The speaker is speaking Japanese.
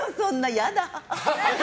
嫌だ。